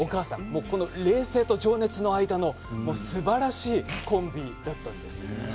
この冷静と情熱の間のすばらしいコンビだったんです。